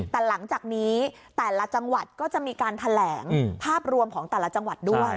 แต่หลังจากนี้แต่ละจังหวัดก็จะมีการแถลงภาพรวมของแต่ละจังหวัดด้วย